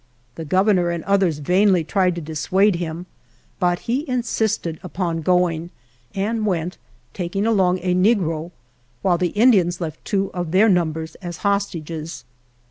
The Governor and others vainly tried to dissuade him, but he insisted upon going and went, taking along a negro, while the Indians left two of their number as hostages.